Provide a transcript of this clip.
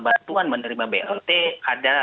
bantuan menerima blt ada